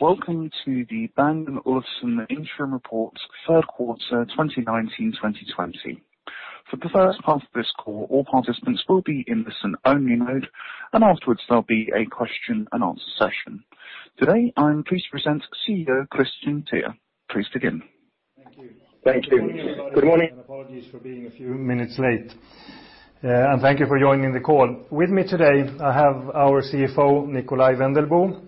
Welcome to the Bang & Olufsen Interim Reports third quarter 2019-2020. For the first part of this call, all participants will be in listen-only mode, and afterwards there'll be a question-and-answer session. Today I'm pleased to present CEO Kristian Teär. Please begin. Thank you. Thank you. Good morning. Apologies for being a few minutes late. Thank you for joining the call. With me today, I have our CFO, Nikolaj Wendelboe.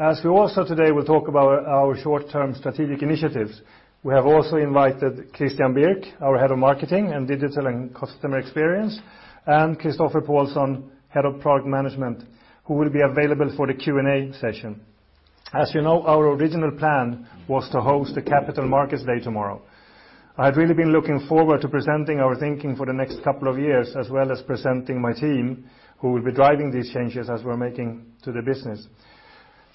As we also today will talk about our short-term strategic initiatives, we have also invited Christian Birk, our Head of Marketing, Digital, and Customer Experience, and Christoffer Poulsen, Head of Product Management, who will be available for the Q&A session. As you know, our original plan was to host the Capital Markets Day tomorrow. I had really been looking forward to presenting our thinking for the next couple of years, as well as presenting my team, who will be driving these changes as we're making to the business.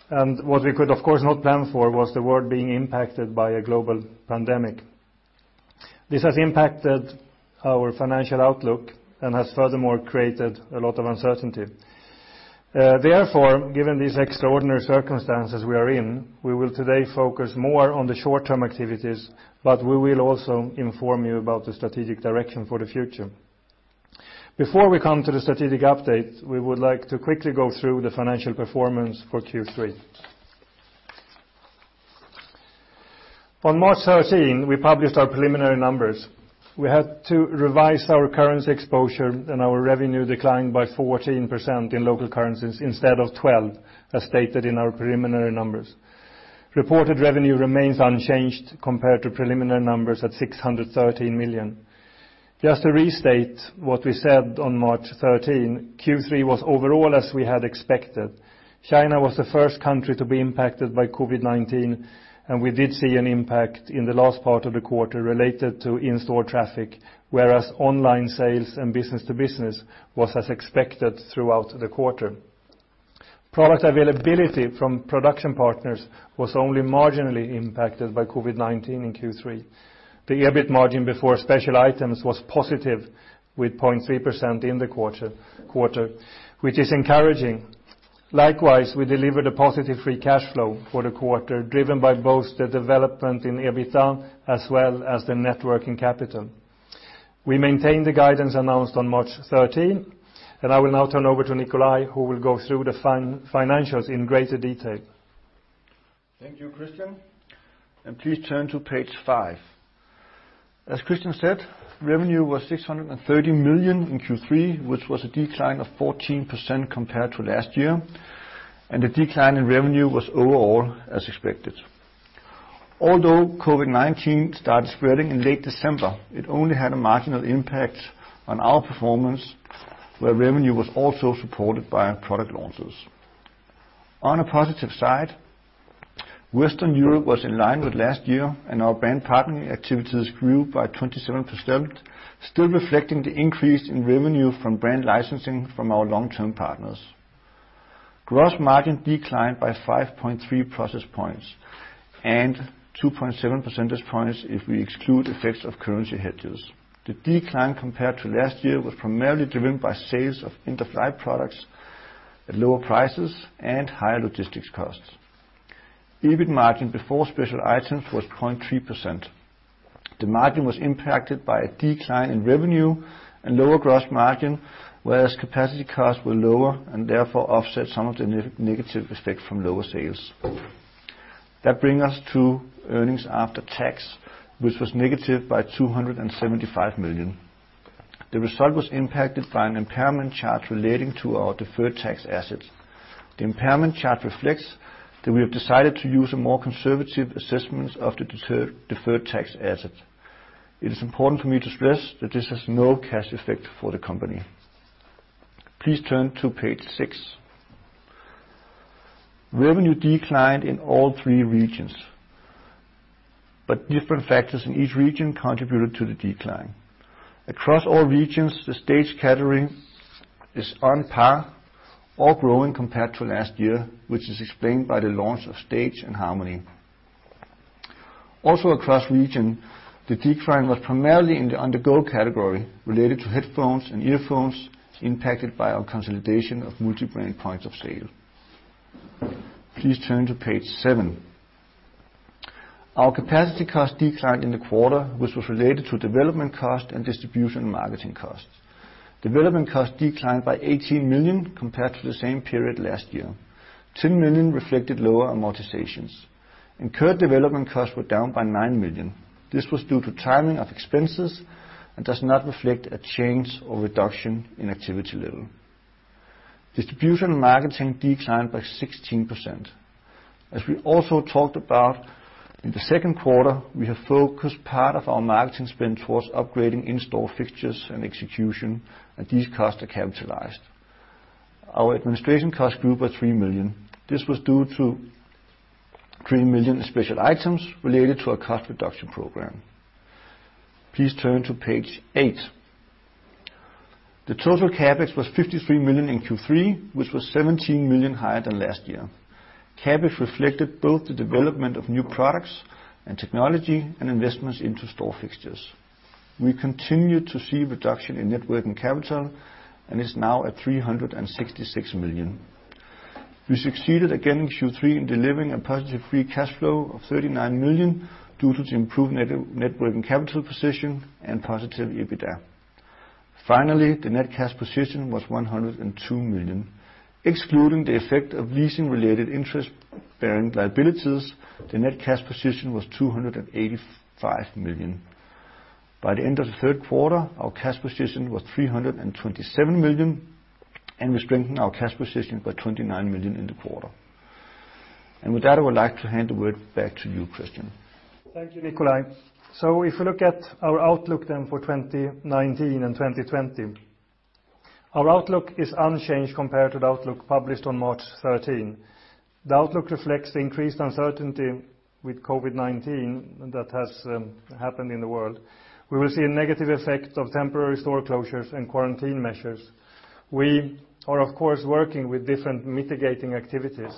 What we could, of course, not plan for was the world being impacted by a global pandemic. This has impacted our financial outlook and has furthermore created a lot of uncertainty. Therefore, given these extraordinary circumstances we are in, we will today focus more on the short-term activities, but we will also inform you about the strategic direction for the future. Before we come to the strategic update, we would like to quickly go through the financial performance for Q3. On March 13, we published our preliminary numbers. We had to revise our currency exposure and our revenue declined by 14% in local currencies instead of 12%, as stated in our preliminary numbers. Reported revenue remains unchanged compared to preliminary numbers at 613 million. Just to restate what we said on March 13, Q3 was overall as we had expected. China was the first country to be impacted by COVID-19, and we did see an impact in the last part of the quarter related to in-store traffic, whereas online sales and business-to-business was as expected throughout the quarter. Product availability from production partners was only marginally impacted by COVID-19 in Q3. The EBIT margin before special items was positive, with 0.3% in the quarter, which is encouraging. Likewise, we delivered a positive free cash flow for the quarter, driven by both the development in EBITDA as well as the net working capital. We maintained the guidance announced on March 13, and I will now turn over to Nikolaj, who will go through the financials in greater detail. Thank you, Christian. Please turn to page five. As Christian said, revenue was 630 million in Q3, which was a decline of 14% compared to last year, and the decline in revenue was overall as expected. Although COVID-19 started spreading in late December, it only had a marginal impact on our performance, where revenue was also supported by product launches. On a positive side, Western Europe was in line with last year, and our brand partnering activities grew by 27%, still reflecting the increase in revenue from brand licensing from our long-term partners. Gross margin declined by 5.3% points and 2.7% points if we exclude effects of currency hedges. The decline compared to last year was primarily driven by sales of inflight products at lower prices and higher logistics costs. EBIT margin before special items was 0.3%. The margin was impacted by a decline in revenue and lower gross margin, whereas capacity costs were lower and therefore offset some of the negative effect from lower sales. That brings us to earnings after tax, which was negative by 275 million. The result was impacted by an impairment charge relating to our deferred tax assets. The impairment charge reflects that we have decided to use a more conservative assessment of the deferred tax assets. It is important for me to stress that this has no cash effect for the company. Please turn to page six. Revenue declined in all three regions, but different factors in each region contributed to the decline. Across all regions, the Staged category is on par or growing compared to last year, which is explained by the launch of Stage and Harmony. Also, across regions, the decline was primarily in the On-the-Go category related to headphones and earphones, impacted by our consolidation of multibrand points of sale. Please turn to page seven. Our CapEx costs declined in the quarter, which was related to development costs and distribution marketing costs. Development costs declined by 18 million compared to the same period last year. 10 million reflected lower amortizations. Incurred development costs were down by 9 million. This was due to timing of expenses and does not reflect a change or reduction in activity level. Distribution marketing declined by 16%. As we also talked about in the second quarter, we have focused part of our marketing spend towards upgrading in-store fixtures and execution, and these costs are capitalized. Our administration costs grew by 3 million. This was due to 3 million in special items related to our cost reduction program. Please turn to page 8. The total CapEx was 53 million in Q3, which was 17 million higher than last year. CapEx reflected both the development of new products and technology and investments into store fixtures. We continued to see reduction in net working capital and is now at 366 million. We succeeded again in Q3 in delivering a positive free cash flow of 39 million due to the improved net working capital position and positive EBITDA. Finally, the net cash position was 102 million. Excluding the effect of leasing-related interest-bearing liabilities, the net cash position was 285 million. By the end of the third quarter, our cash position was 327 million, and we strengthened our cash position by 29 million in the quarter. And with that, I would like to hand the word back to you, Kristian. Thank you, Nikolaj. So if we look at our outlook then for 2019 and 2020, our outlook is unchanged compared to the outlook published on March 13. The outlook reflects the increased uncertainty with COVID-19 that has happened in the world. We will see a negative effect of temporary store closures and quarantine measures. We are, of course, working with different mitigating activities.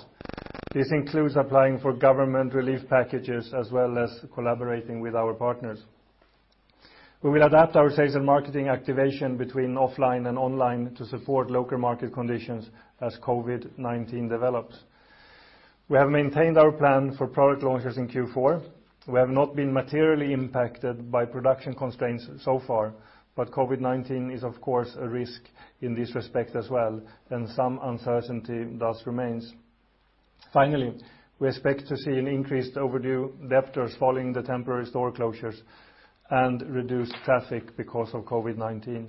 This includes applying for government relief packages as well as collaborating with our partners. We will adapt our sales and marketing activation between offline and online to support local market conditions as COVID-19 develops. We have maintained our plan for product launches in Q4. We have not been materially impacted by production constraints so far, but COVID-19 is, of course, a risk in this respect as well, and some uncertainty thus remains. Finally, we expect to see an increased overdue debtors following the temporary store closures and reduced traffic because of COVID-19.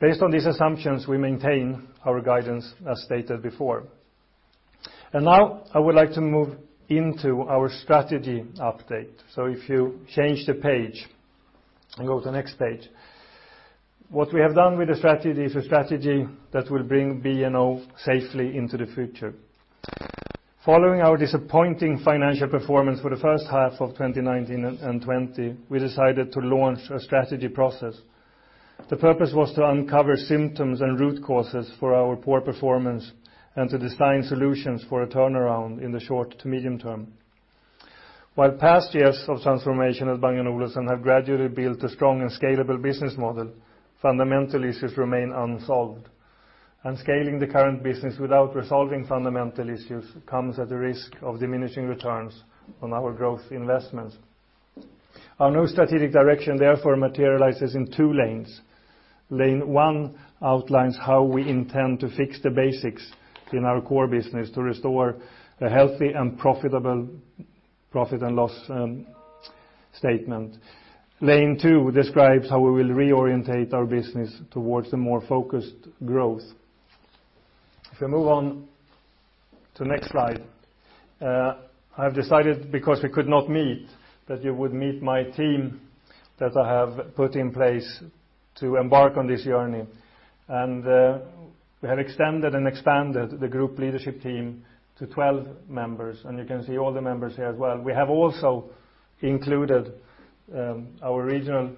Based on these assumptions, we maintain our guidance as stated before. Now I would like to move into our strategy update. If you change the page and go to the next page, what we have done with the strategy is a strategy that will bring B&O safely into the future. Following our disappointing financial performance for the first half of 2019 and 2020, we decided to launch a strategy process. The purpose was to uncover symptoms and root causes for our poor performance and to design solutions for a turnaround in the short to medium term. While past years of transformation at Bang & Olufsen have gradually built a strong and scalable business model, fundamental issues remain unsolved. Scaling the current business without resolving fundamental issues comes at the risk of diminishing returns on our growth investments. Our new strategic direction, therefore, materializes in two lanes. Lane one outlines how we intend to fix the basics in our core business to restore a healthy and profitable profit and loss statement. Lane two describes how we will reorient our business towards the more focused growth. If we move on to the next slide, I have decided, because we could not meet, that you would meet my team that I have put in place to embark on this journey. We have extended and expanded the group leadership team to 12 members, and you can see all the members here as well. We have also included our regional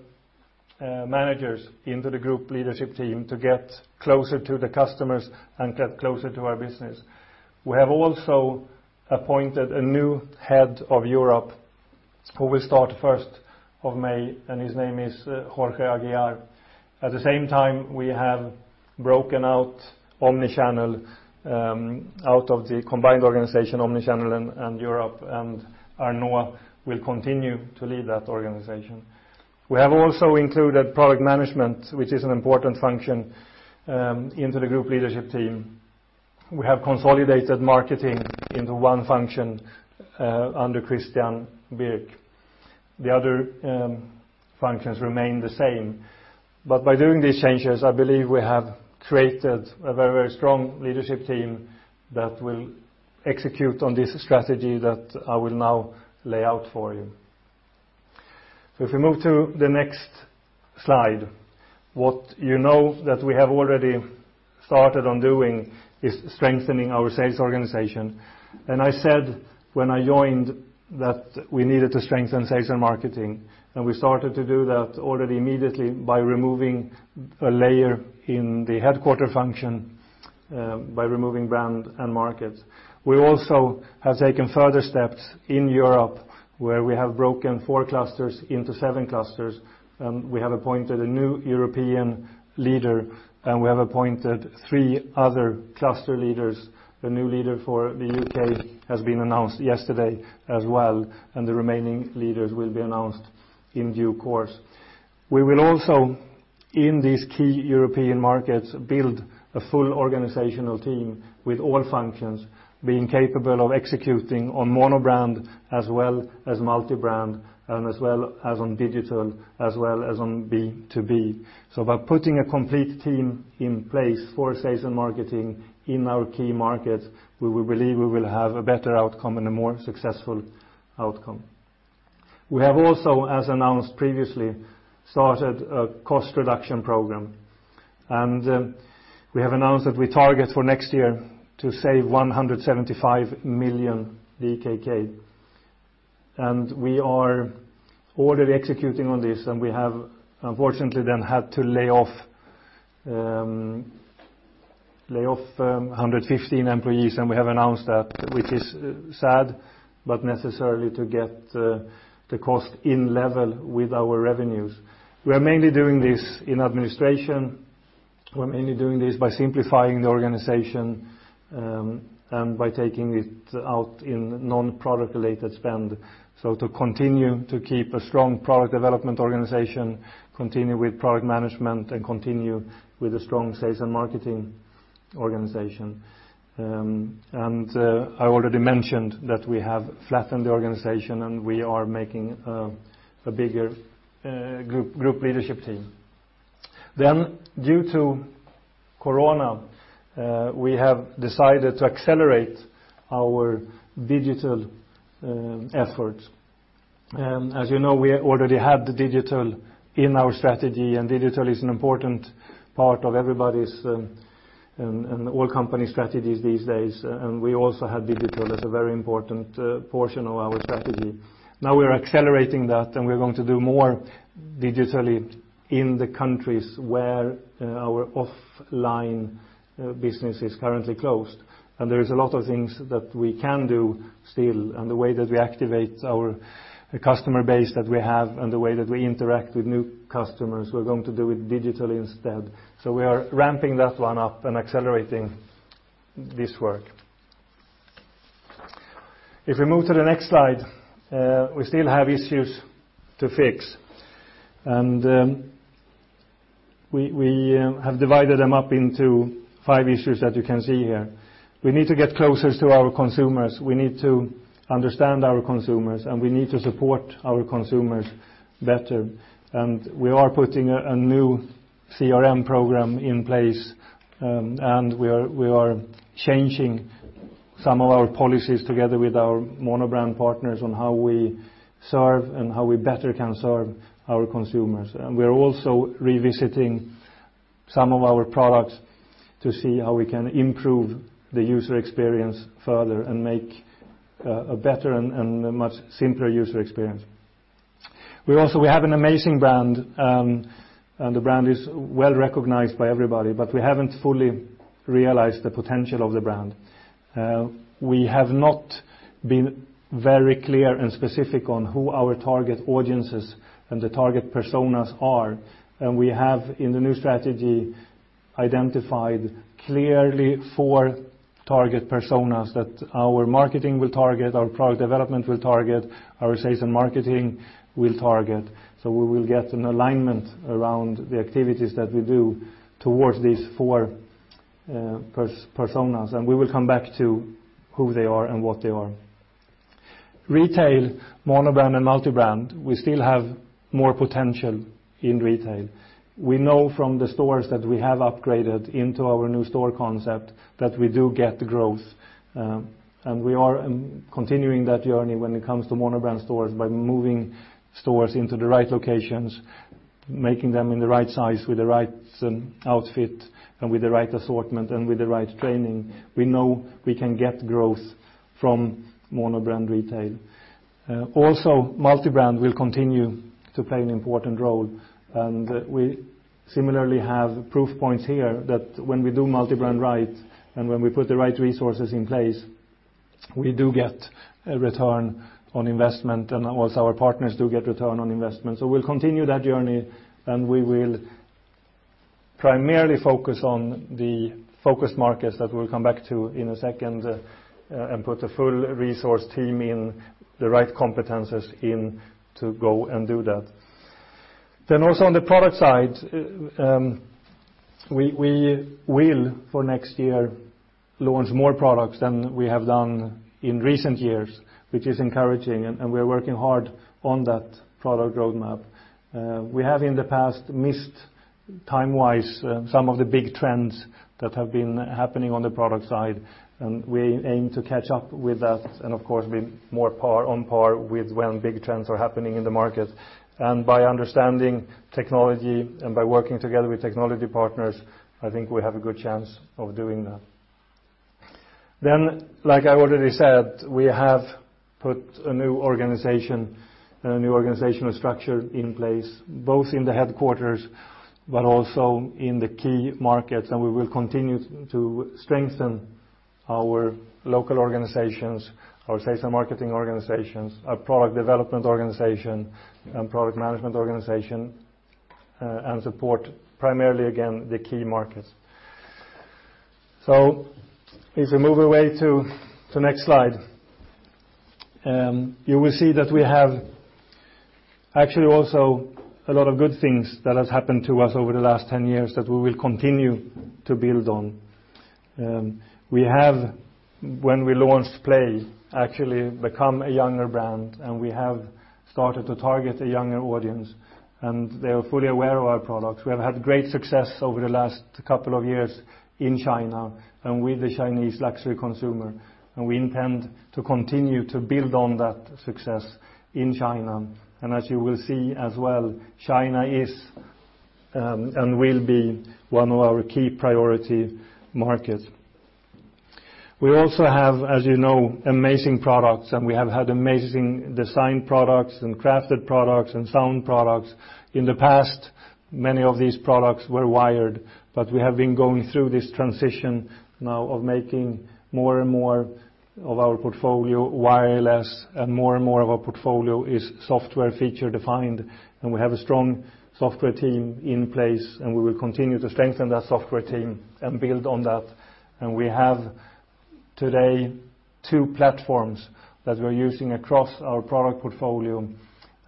managers into the group leadership team to get closer to the customers and get closer to our business. We have also appointed a new head of Europe who will start the 1st of May, and his name is Jorge Aguiar. At the same time, we have broken out omnichannel, out of the combined organization omnichannel and, and Europe, and Arnaud will continue to lead that organization. We have also included product management, which is an important function, into the group leadership team. We have consolidated marketing into one function, under Christian Birk. The other functions remain the same. But by doing these changes, I believe we have created a very, very strong leadership team that will execute on this strategy that I will now lay out for you. So if we move to the next slide, what you know that we have already started on doing is strengthening our sales organization. I said when I joined that we needed to strengthen sales and marketing, and we started to do that already immediately by removing a layer in the headquarters function, by removing Brand and Markets. We also have taken further steps in Europe, where we have broken four clusters into seven clusters, and we have appointed a new European leader, and we have appointed three other cluster leaders. A new leader for the U.K. has been announced yesterday as well, and the remaining leaders will be announced in due course. We will also, in these key European markets, build a full organizational team with all functions, being capable of executing on monobrand as well as multibrand, and as well as on digital as well as on B2B. So by putting a complete team in place for sales and marketing in our key markets, we will believe we will have a better outcome and a more successful outcome. We have also, as announced previously, started a cost reduction program. We have announced that we target for next year to save 175 million DKK. We are already executing on this, and we have, unfortunately, then had to lay off 115 employees, and we have announced that, which is sad but necessary to get the cost in level with our revenues. We are mainly doing this in administration. We're mainly doing this by simplifying the organization, and by taking it out in non-product-related spend, so to continue to keep a strong product development organization, continue with product management, and continue with a strong sales and marketing organization. I already mentioned that we have flattened the organization, and we are making a bigger group leadership team. Then, due to corona, we have decided to accelerate our digital efforts. As you know, we already had the digital in our strategy, and digital is an important part of everybody's and all company strategies these days. And we also had digital as a very important portion of our strategy. Now we are accelerating that, and we are going to do more digitally in the countries where our offline business is currently closed. And there is a lot of things that we can do still, and the way that we activate our customer base that we have and the way that we interact with new customers, we're going to do it digitally instead. So we are ramping that one up and accelerating this work. If we move to the next slide, we still have issues to fix. We have divided them up into five issues that you can see here. We need to get closer to our consumers. We need to understand our consumers, and we need to support our consumers better. We are putting a new CRM program in place, and we are changing some of our policies together with our monobrand partners on how we serve and how we better can serve our consumers. We are also revisiting some of our products to see how we can improve the user experience further and make a better and much simpler user experience. We also have an amazing brand, and the brand is well recognized by everybody, but we haven't fully realized the potential of the brand. We have not been very clear and specific on who our target audiences and the target personas are. And we have, in the new strategy, identified clearly four target personas that our marketing will target, our product development will target, our sales and marketing will target. So we will get an alignment around the activities that we do towards these four personas, and we will come back to who they are and what they are. Retail, monobrand and multibrand, we still have more potential in retail. We know from the stores that we have upgraded into our new store concept that we do get growth, and we are continuing that journey when it comes to monobrand stores by moving stores into the right locations, making them in the right size with the right outfit and with the right assortment and with the right training. We know we can get growth from monobrand retail. Also, multibrand will continue to play an important role. We similarly have proof points here that when we do multibrand right and when we put the right resources in place, we do get a return on investment, and also our partners do get return on investment. We'll continue that journey, and we will primarily focus on the focused markets that we'll come back to in a second, and put a full resource team in, the right competencies in, to go and do that. Also on the product side, we, we will for next year launch more products than we have done in recent years, which is encouraging, and, and we are working hard on that product roadmap. We have in the past missed time-wise, some of the big trends that have been happening on the product side, and we aim to catch up with that and, of course, be more on par with when big trends are happening in the market. By understanding technology and by working together with technology partners, I think we have a good chance of doing that. Like I already said, we have put a new organization and a new organizational structure in place, both in the headquarters but also in the key markets, and we will continue to strengthen our local organizations, our sales and marketing organizations, our product development organization, and product management organization, and support primarily, again, the key markets. If we move away to the next slide, you will see that we have actually also a lot of good things that have happened to us over the last 10 years that we will continue to build on. We have, when we launched Play, actually become a younger brand, and we have started to target a younger audience, and they are fully aware of our products. We have had great success over the last couple of years in China and with the Chinese luxury consumer, and we intend to continue to build on that success in China. And as you will see as well, China is, and will be one of our key priority markets. We also have, as you know, amazing products, and we have had amazing design products and crafted products and sound products. In the past, many of these products were wired, but we have been going through this transition now of making more and more of our portfolio wireless, and more and more of our portfolio is software feature-defined. We have a strong software team in place, and we will continue to strengthen that software team and build on that. We have today two platforms that we are using across our product portfolio,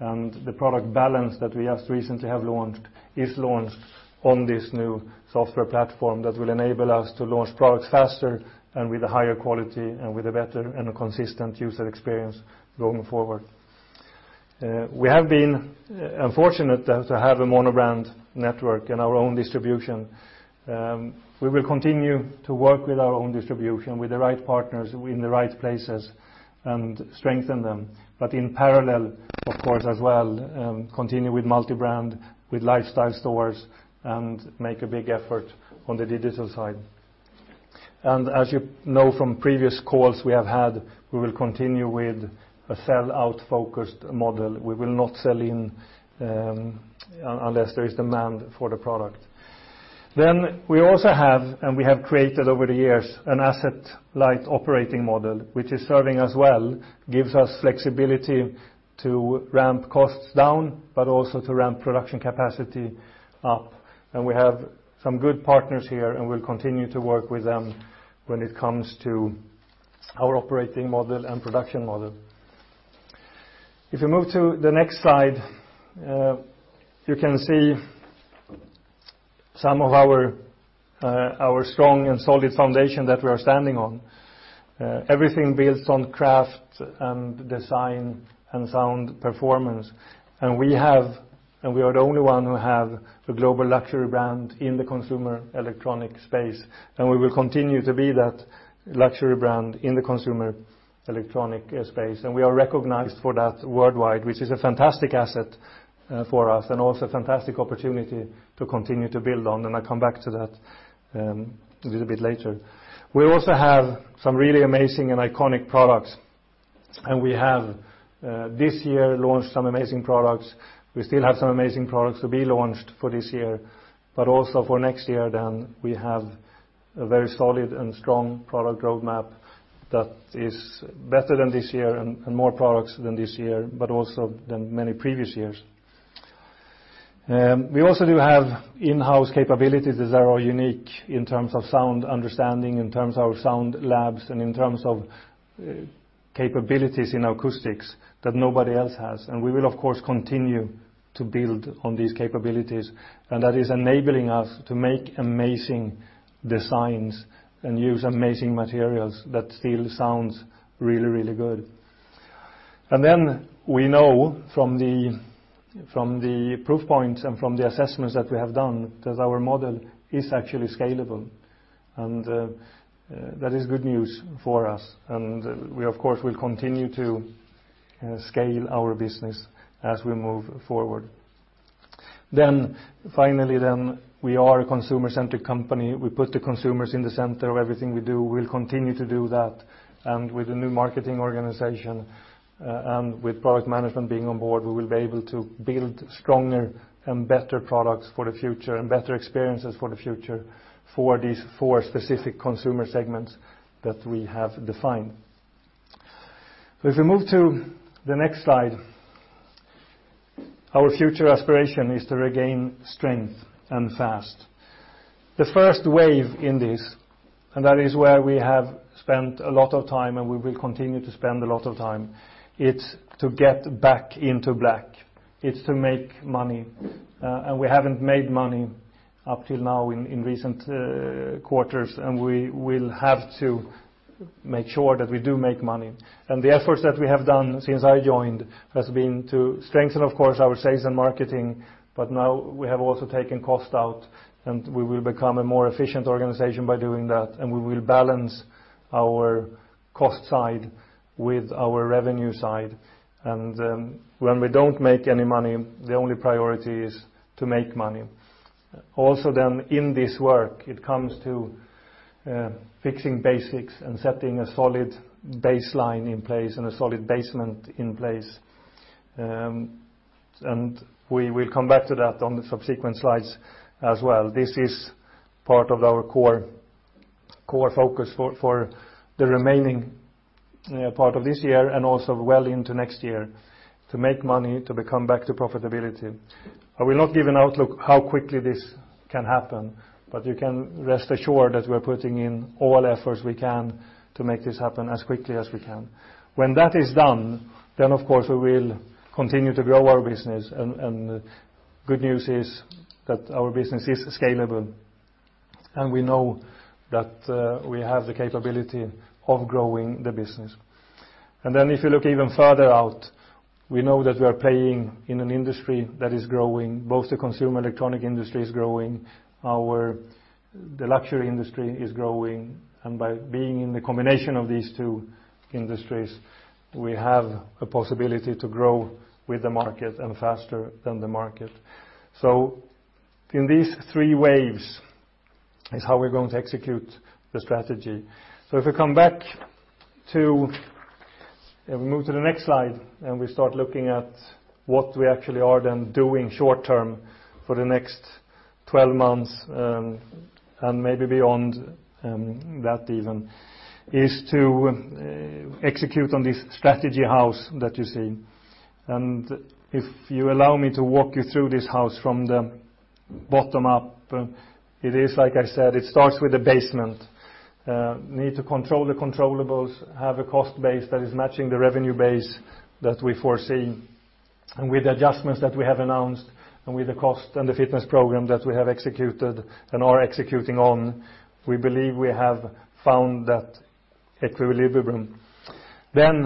and the Beosound Balance that we just recently have launched is launched on this new software platform that will enable us to launch products faster and with a higher quality and with a better and a consistent user experience going forward. We have been fortunate to have a monobrand network and our own distribution. We will continue to work with our own distribution, with the right partners in the right places, and strengthen them. But in parallel, of course, as well, continue with multibrand, with lifestyle stores, and make a big effort on the digital side. And as you know from previous calls we have had, we will continue with a sell-out-focused model. We will not sell-in, unless there is demand for the product. Then we also have, and we have created over the years, an asset-light operating model, which is serving as well, gives us flexibility to ramp costs down but also to ramp production capacity up. And we have some good partners here, and we'll continue to work with them when it comes to our operating model and production model. If we move to the next slide, you can see some of our strong and solid foundation that we are standing on. Everything builds on craft and design and sound performance. And we have and we are the only one who have a global luxury brand in the consumer electronic space, and we will continue to be that luxury brand in the consumer electronic space. And we are recognized for that worldwide, which is a fantastic asset for us and also a fantastic opportunity to continue to build on, and I'll come back to that a little bit later. We also have some really amazing and iconic products, and we have this year launched some amazing products. We still have some amazing products to be launched for this year, but also for next year then we have a very solid and strong product roadmap that is better than this year and, and more products than this year but also than many previous years. We also do have in-house capabilities that are unique in terms of sound understanding, in terms of our sound labs, and in terms of capabilities in acoustics that nobody else has. And we will, of course, continue to build on these capabilities, and that is enabling us to make amazing designs and use amazing materials that still sound really, really good. And then we know from the proof points and from the assessments that we have done that our model is actually scalable. And that is good news for us. And we, of course, will continue to scale our business as we move forward. Then, finally then, we are a consumer-centric company. We put the consumers in the center of everything we do. We'll continue to do that. With the new marketing organization, and with product management being on board, we will be able to build stronger and better products for the future and better experiences for the future for these four specific consumer segments that we have defined. If we move to the next slide, our future aspiration is to regain strength and fast. The first wave in this, and that is where we have spent a lot of time and we will continue to spend a lot of time, it's to get back into black. It's to make money. And we haven't made money up till now in recent quarters, and we will have to make sure that we do make money. And the efforts that we have done since I joined has been to strengthen, of course, our sales and marketing, but now we have also taken cost out, and we will become a more efficient organization by doing that, and we will balance our cost side with our revenue side. And when we don't make any money, the only priority is to make money. Also then in this work, it comes to fixing basics and setting a solid baseline in place and a solid basement in place. And we will come back to that on the subsequent slides as well. This is part of our core, core focus for, for the remaining, part of this year and also well into next year, to make money, to come back to profitability. I will not give an outlook on how quickly this can happen, but you can rest assured that we are putting in all efforts we can to make this happen as quickly as we can. When that is done, then, of course, we will continue to grow our business, and, and good news is that our business is scalable, and we know that, we have the capability of growing the business. And then if you look even further out, we know that we are playing in an industry that is growing. Both the consumer electronics industry is growing. And the luxury industry is growing. And by being in the combination of these two industries, we have a possibility to grow with the market and faster than the market. So in these three waves is how we're going to execute the strategy. So if we move to the next slide and we start looking at what we actually are then doing short term for the next 12 months, and maybe beyond, that even is to execute on this strategy house that you see. If you allow me to walk you through this house from the bottom up, it is, like I said, it starts with the basement. We need to control the controllables, have a cost base that is matching the revenue base that we foresee. With the adjustments that we have announced and with the cost and the fitness program that we have executed and are executing on, we believe we have found that equilibrium. Then,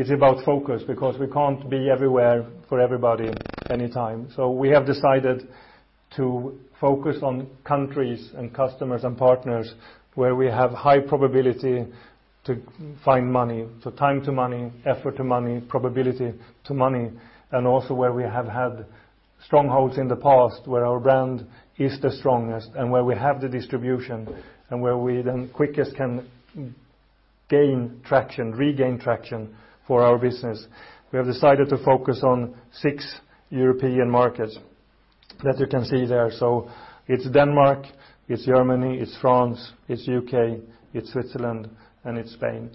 it’s about focus because we can’t be everywhere for everybody anytime. So we have decided to focus on countries and customers and partners where we have high probability to find money, so time to money, effort to money, probability to money, and also where we have had strongholds in the past, where our brand is the strongest and where we have the distribution and where we then quickest can gain traction, regain traction for our business. We have decided to focus on six European markets that you can see there. So it's Denmark, it's Germany, it's France, it's U.K., it's Switzerland, and it's Spain.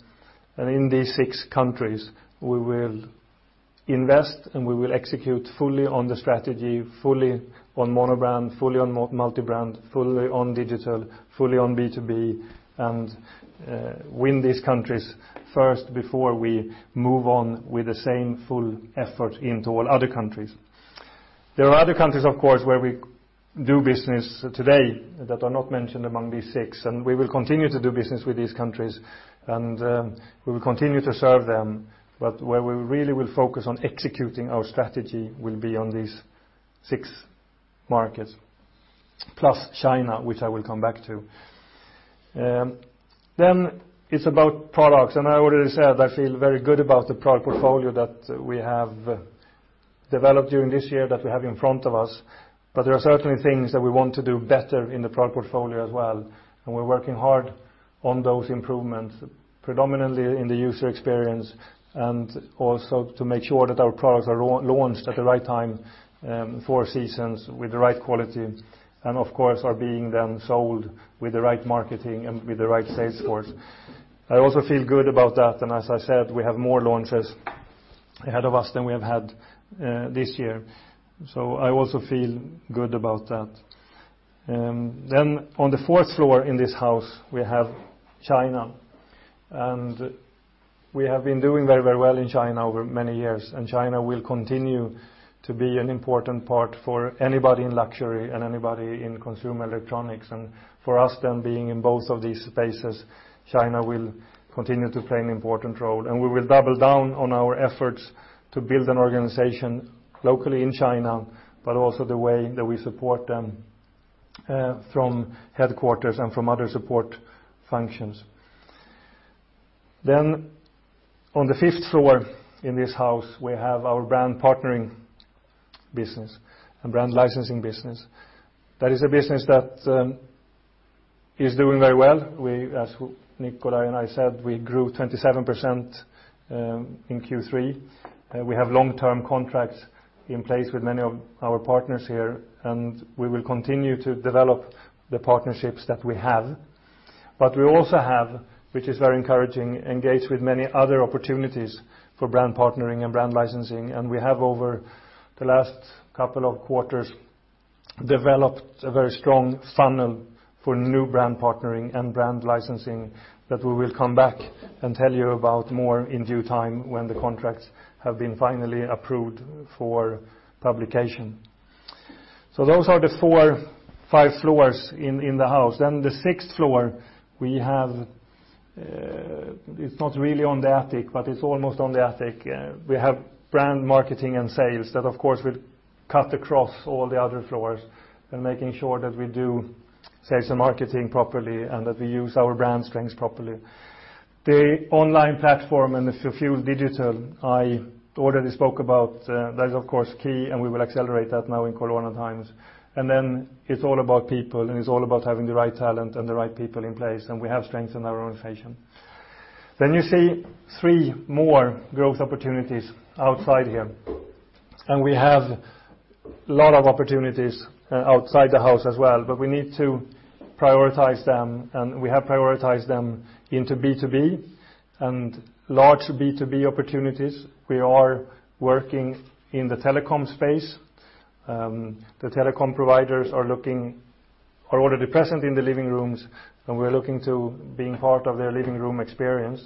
And in these six countries, we will invest and we will execute fully on the strategy, fully on monobrand, fully on multibrand, fully on digital, fully on B2B, and, win these countries first before we move on with the same full effort into all other countries. There are other countries, of course, where we do business today that are not mentioned among these six, and we will continue to do business with these countries, and, we will continue to serve them. But where we really will focus on executing our strategy will be on these six markets plus China, which I will come back to. Then it's about products. And I already said I feel very good about the product portfolio that we have, developed during this year that we have in front of us. But there are certainly things that we want to do better in the product portfolio as well, and we're working hard on those improvements, predominantly in the user experience and also to make sure that our products are launched at the right time, four seasons with the right quality and, of course, are being then sold with the right marketing and with the right sales force. I also feel good about that. And as I said, we have more launches ahead of us than we have had this year. So I also feel good about that. Then on the fourth floor in this house, we have China. And we have been doing very, very well in China over many years, and China will continue to be an important part for anybody in luxury and anybody in consumer electronics. For us then being in both of these spaces, China will continue to play an important role, and we will double down on our efforts to build an organization locally in China but also the way that we support them, from headquarters and from other support functions. Then on the fifth floor in this house, we have our brand partnering business and brand licensing business. That is a business that is doing very well. We, as Nikolaj and I said, we grew 27% in Q3. We have long-term contracts in place with many of our partners here, and we will continue to develop the partnerships that we have. But we also have, which is very encouraging, engaged with many other opportunities for brand partnering and brand licensing. And we have, over the last couple of quarters, developed a very strong funnel for new brand partnering and brand licensing that we will come back and tell you about more in due time when the contracts have been finally approved for publication. So those are the four, five floors in the house. Then the sixth floor, we have; it's not really on the attic, but it's almost on the attic. We have brand marketing and sales that, of course, will cut across all the other floors and making sure that we do sales and marketing properly and that we use our brand strengths properly. The online platform and the full digital I already spoke about, that is, of course, key, and we will accelerate that now in corona times. And then it's all about people, and it's all about having the right talent and the right people in place, and we have strengths in our organization. Then you see three more growth opportunities outside here. And we have a lot of opportunities outside the house as well, but we need to prioritize them, and we have prioritized them into B2B and large B2B opportunities. We are working in the telecom space. The telecom providers are already present in the living rooms, and we're looking to be part of their living room experience.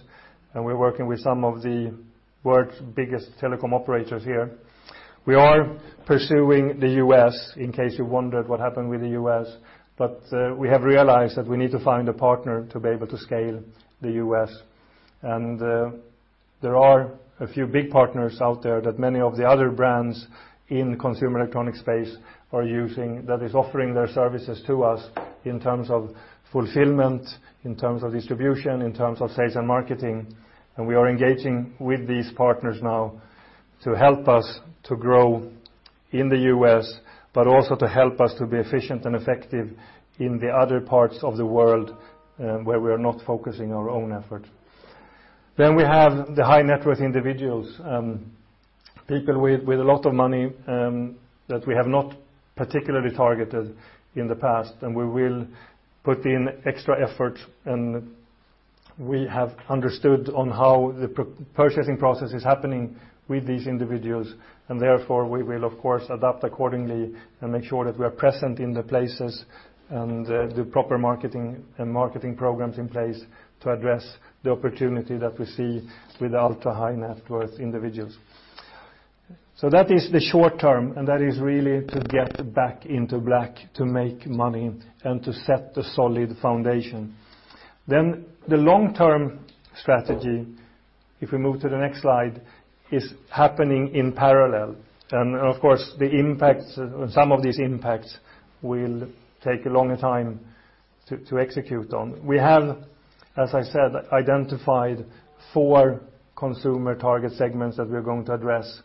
And we're working with some of the world's biggest telecom operators here. We are pursuing the U.S. in case you wondered what happened with the U.S. But we have realized that we need to find a partner to be able to scale the U.S. There are a few big partners out there that many of the other brands in consumer electronic space are using that is offering their services to us in terms of fulfillment, in terms of distribution, in terms of sales and marketing. We are engaging with these partners now to help us to grow in the U.S. but also to help us to be efficient and effective in the other parts of the world, where we are not focusing our own effort. We have the high-net-worth individuals, people with a lot of money, that we have not particularly targeted in the past, and we will put in extra effort. We have understood on how the purchasing process is happening with these individuals, and therefore we will, of course, adapt accordingly and make sure that we are present in the places and do proper marketing and marketing programs in place to address the opportunity that we see with the ultra-high-net-worth individuals. So that is the short term, and that is really to get back into black, to make money, and to set the solid foundation. The long-term strategy, if we move to the next slide, is happening in parallel. And, of course, the impacts and some of these impacts will take a longer time to execute on. We have, as I said, identified four consumer target segments that we are going to address.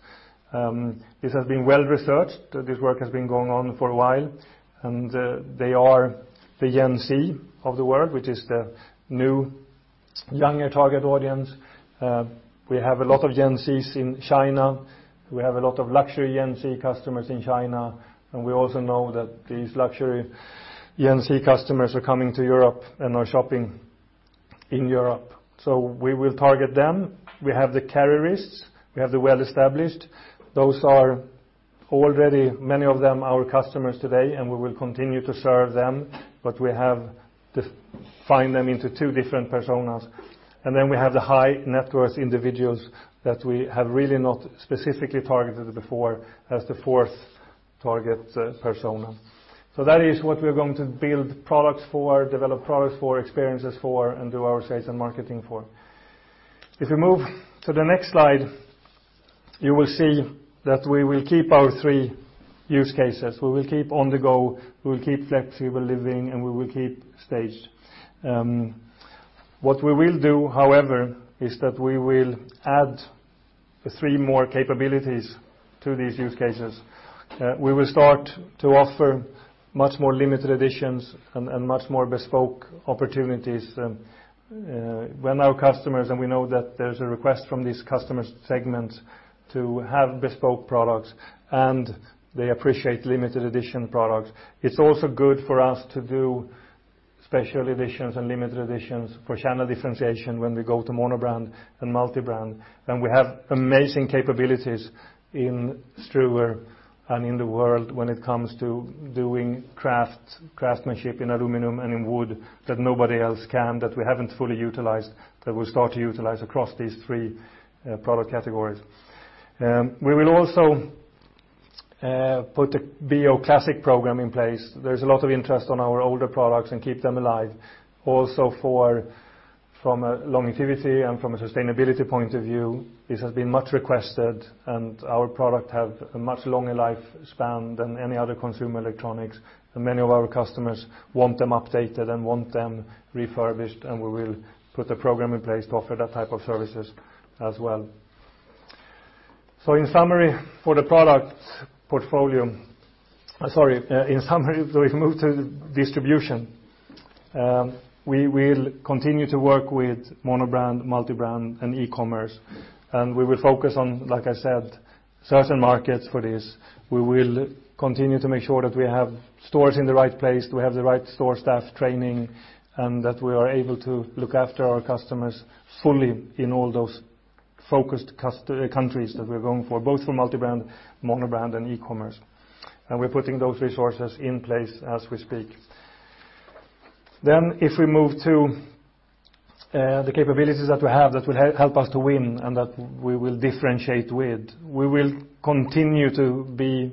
This has been well-researched. This work has been going on for a while. They are the Gen Z of the world, which is the new younger target audience. We have a lot of Gen Zs in China. We have a lot of luxury Gen Z customers in China. We also know that these luxury Gen Z customers are coming to Europe and are shopping in Europe. So we will target them. We have the carriers. We have the well-established. Those are already many of them our customers today, and we will continue to serve them, but we have to find them into two different personas. Then we have the high-net-worth individuals that we have really not specifically targeted before as the fourth target, persona. So that is what we are going to build products for, develop products for, experiences for, and do our sales and marketing for. If we move to the next slide, you will see that we will keep our three use cases. We will keep On-the-Go. We will keep Flexible Living, and we will keep Staged. What we will do, however, is that we will add three more capabilities to these use cases. We will start to offer much more limited editions and, and much more bespoke opportunities. When our customers and we know that there's a request from these customer segments to have bespoke products, and they appreciate limited edition products, it's also good for us to do special editions and limited editions for channel differentiation when we go to monobrand and multibrand. We have amazing capabilities in Struer and in the world when it comes to doing craft, craftsmanship in aluminum and in wood that nobody else can, that we haven't fully utilized, that we'll start to utilize across these three product categories. We will also put the B&O Classic program in place. There's a lot of interest in our older products and keep them alive. Also, from a longevity and from a sustainability point of view, this has been much requested, and our products have a much longer lifespan than any other consumer electronics. And many of our customers want them updated and want them refurbished, and we will put a program in place to offer that type of services as well. So in summary, for the product portfolio—sorry—in summary, if we move to distribution, we will continue to work with monobrand, multibrand, and e-commerce. And we will focus on, like I said, certain markets for this. We will continue to make sure that we have stores in the right place, that we have the right store staff training, and that we are able to look after our customers fully in all those focused countries that we're going for, both for multibrand, monobrand, and e-commerce. And we're putting those resources in place as we speak. Then if we move to the capabilities that we have that will help us to win and that we will differentiate with, we will continue to be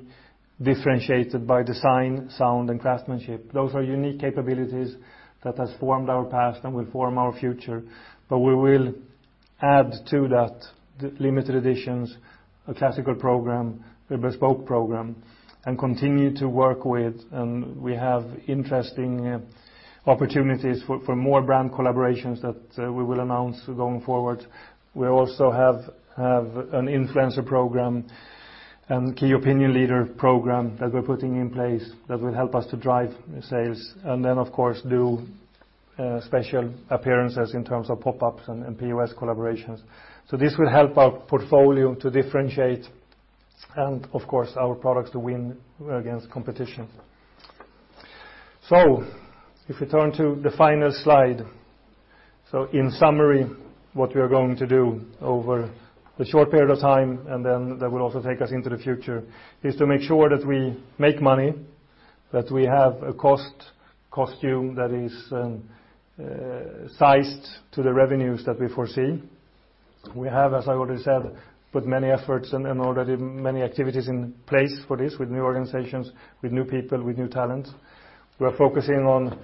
differentiated by design, sound, and craftsmanship. Those are unique capabilities that have formed our past and will form our future. But we will add to that the limited editions, a classical program, a bespoke program, and continue to work with. We have interesting opportunities for more brand collaborations that we will announce going forward. We also have an influencer program and key opinion leader program that we're putting in place that will help us to drive sales and then, of course, do special appearances in terms of pop-ups and POS collaborations. So this will help our portfolio to differentiate and, of course, our products to win against competition. So if we turn to the final slide, so in summary, what we are going to do over the short period of time and then that will also take us into the future is to make sure that we make money, that we have a cost structure that is sized to the revenues that we foresee. We have, as I already said, put many efforts and already many activities in place for this with new organizations, with new people, with new talents. We are focusing on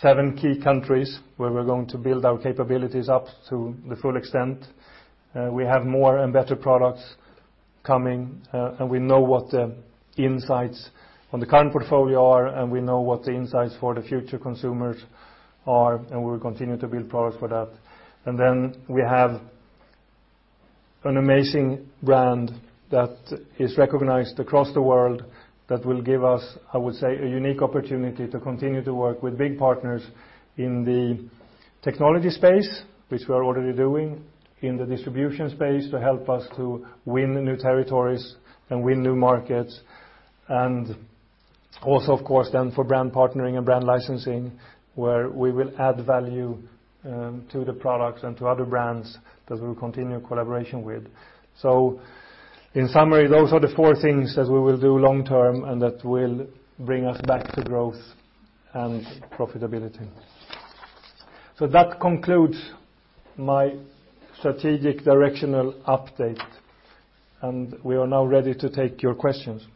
seven key countries where we're going to build our capabilities up to the full extent. We have more and better products coming, and we know what the insights on the current portfolio are, and we know what the insights for the future consumers are, and we will continue to build products for that. And then we have an amazing brand that is recognized across the world that will give us, I would say, a unique opportunity to continue to work with big partners in the technology space, which we are already doing, in the distribution space to help us to win new territories and win new markets. Also, of course, then for brand partnering and brand licensing where we will add value, to the products and to other brands that we will continue collaboration with. So in summary, those are the four things that we will do long-term and that will bring us back to growth and profitability. So that concludes my strategic directional update, and we are now ready to take your questions.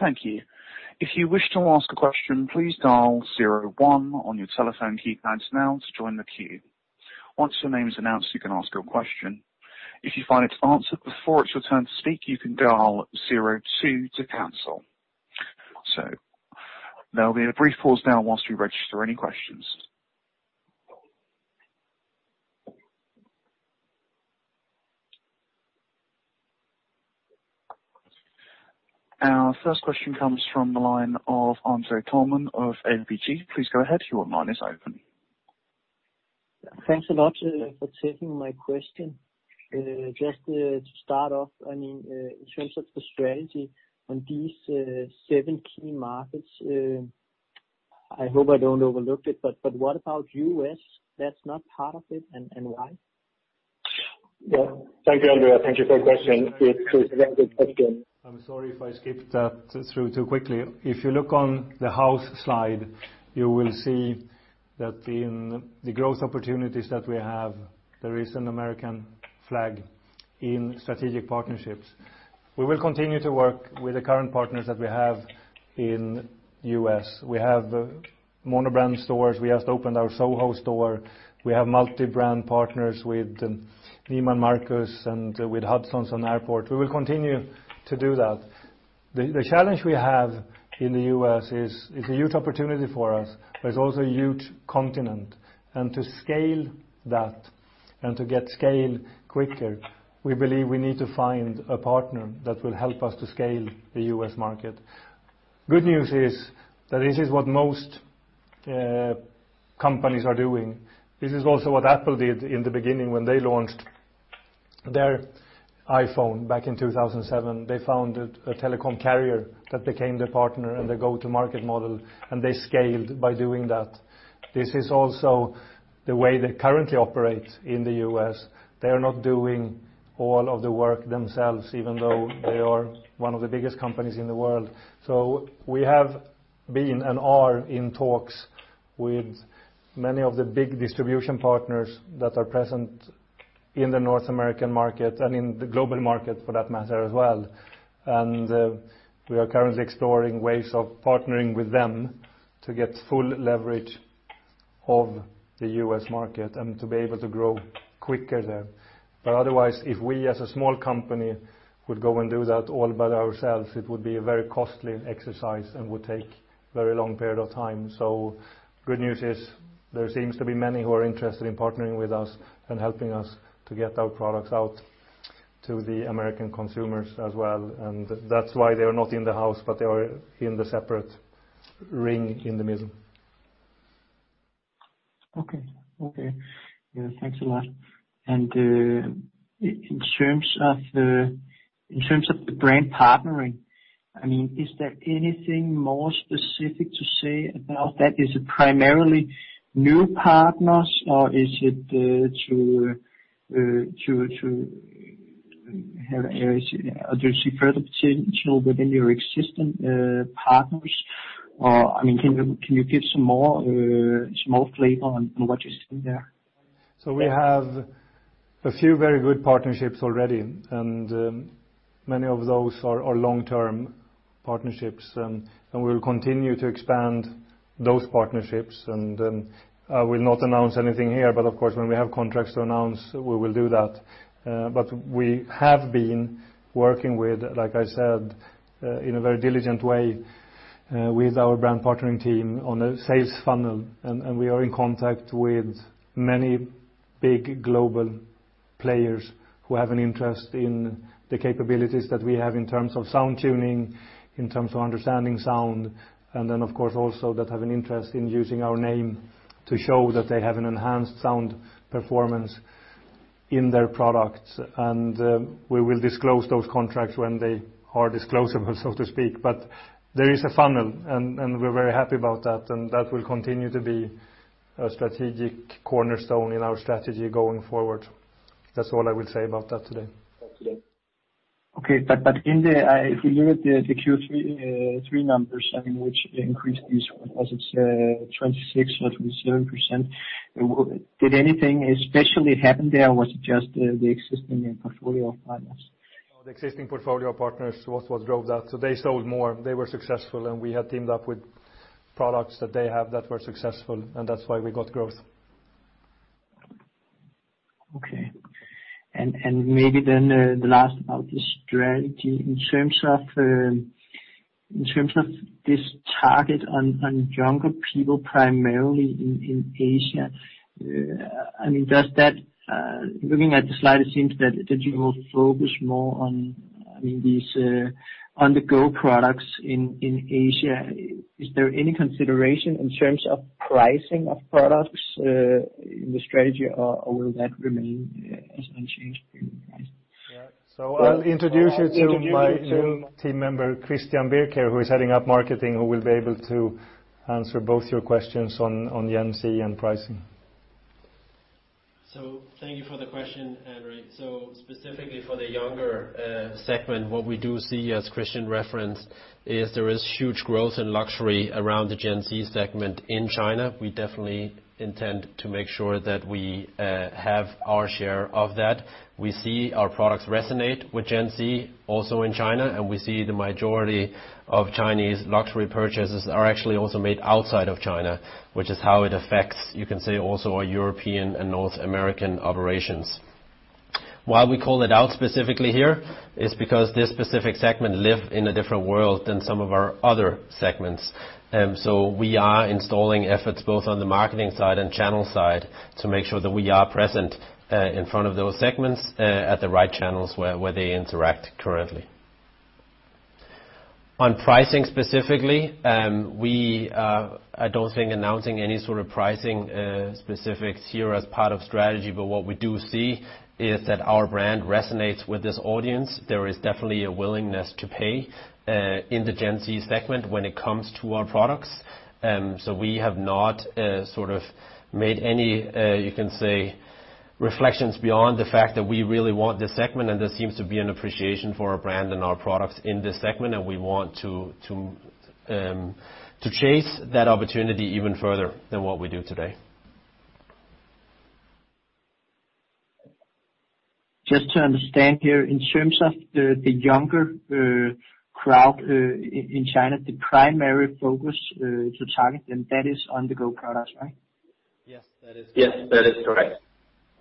Thank you. If you wish to ask a question, please dial zero one on your telephone keypad now to join the queue. Once your name's announced, you can ask your question. If you find it's answered before it's your turn to speak, you can dial zero two to cancel. So there'll be a brief pause now whilst we register any questions. Our first question comes from the line of André Thormann of ABG. Please go ahead. Your line is open. Thanks a lot for taking my question. Just, to start off, I mean, in terms of the strategy on these seven key markets, I hope I don't overlooked it. But, but what about U.S. that's not part of it, and, and why? Yeah. Thank you, André. Thank you for the question. It's a very good question. I'm sorry if I skipped that through too quickly. If you look on the house slide, you will see that in the growth opportunities that we have, there is an American flag in strategic partnerships. We will continue to work with the current partners that we have in U.S. We have monobrand stores. We just opened our SoHo store. We have multibrand partners with Neiman Marcus and with Hudson on the airport. We will continue to do that. The challenge we have in the U.S. is a huge opportunity for us, but it's also a huge continent. And to scale that and to get scale quicker, we believe we need to find a partner that will help us to scale the U.S. market. Good news is that this is what most companies are doing. This is also what Apple did in the beginning when they launched their iPhone back in 2007. They found a telecom carrier that became their partner and their go-to-market model, and they scaled by doing that. This is also the way they currently operate in the U.S. They are not doing all of the work themselves even though they are one of the biggest companies in the world. So we have been and are in talks with many of the big distribution partners that are present in the North American market and in the global market for that matter as well. We are currently exploring ways of partnering with them to get full leverage of the U.S. market and to be able to grow quicker there. But otherwise, if we as a small company would go and do that all by ourselves, it would be a very costly exercise and would take a very long period of time. So good news is there seems to be many who are interested in partnering with us and helping us to get our products out to the American consumers as well. And that's why they are not in the house, but they are in the separate ring in the middle. Okay. Okay. Yeah, thanks a lot. And, in terms of the brand partnering, I mean, is there anything more specific to say about that? Is it primarily new partners, or is it have areas do you see further potential within your existing partners? Or I mean, can you give some more flavor on what you're seeing there? So we have a few very good partnerships already, and many of those are long-term partnerships. We will continue to expand those partnerships. I will not announce anything here, but of course, when we have contracts to announce, we will do that. We have been working with, like I said, in a very diligent way, with our brand partnering team on the sales funnel. We are in contact with many big global players who have an interest in the capabilities that we have in terms of sound tuning, in terms of understanding sound, and then, of course, also that have an interest in using our name to show that they have an enhanced sound performance in their products. We will disclose those contracts when they are disclosable, so to speak. There is a funnel, and we're very happy about that. That will continue to be a strategic cornerstone in our strategy going forward. That's all I will say about that today. Thank you, then. Okay. But if you look at the Q3 numbers, I mean, which increased these four positives 26% or 27%, did anything especially happen there, or was it just the existing portfolio of partners? Oh, the existing portfolio of partners was drove that. So they sold more. They were successful, and we had teamed up with products that they have that were successful, and that's why we got growth. Okay. And maybe then, the last about the strategy. In terms of this target on younger people primarily in Asia, I mean, does that, looking at the slide, it seems that you will focus more on, I mean, these on-the-go products in Asia. Is there any consideration in terms of pricing of products in the strategy, or will that remain as unchanged price? Yeah. So I'll introduce you to my new team member, Christian Birk here, who is heading up marketing, who will be able to answer both your questions on Gen Z and pricing. So thank you for the question, André. So specifically for the younger segment, what we do see, as Kristian referenced, is there is huge growth in luxury around the Gen Z segment in China. We definitely intend to make sure that we have our share of that. We see our products resonate with Gen Z also in China, and we see the majority of Chinese luxury purchases are actually also made outside of China, which is how it affects, you can say, also our European and North American operations. Why we call it out specifically here is because this specific segment lives in a different world than some of our other segments. So we are investing efforts both on the marketing side and channel side to make sure that we are present in front of those segments at the right channels where they interact currently. On pricing specifically, we, I don't think announcing any sort of pricing specifics here as part of strategy, but what we do see is that our brand resonates with this audience. There is definitely a willingness to pay in the Gen Z segment when it comes to our products. So we have not sort of made any, you can say, reflections beyond the fact that we really want this segment, and there seems to be an appreciation for our brand and our products in this segment, and we want to chase that opportunity even further than what we do today. Just to understand here, in terms of the younger crowd in China, the primary focus to target, and that is on-the-go products, right? Yes. That is correct. Yes. That is correct.